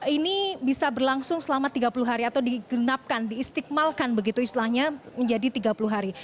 ini bisa berlangsung selama tiga puluh hari atau digenapkan diistikmalkan begitu istilahnya menjadi tiga puluh hari